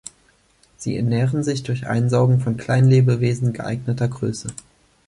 Sie ernähren sich durch Einsaugen von Kleinlebewesen geeigneter Größe.